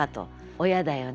親だよね。